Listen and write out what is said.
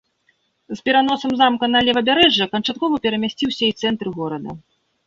З пераносам замка на левабярэжжа канчаткова перамясціўся і цэнтр горада.